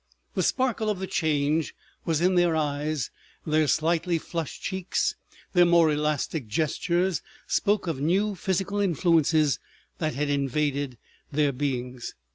The sparkle of the Change was in their eyes, their slightly flushed cheeks, their more elastic gestures, spoke of new physical influences that had invaded their beings.